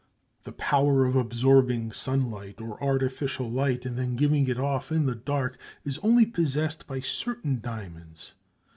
The power of absorbing sunlight or artificial light and then giving it off in the dark is only possessed by certain diamonds.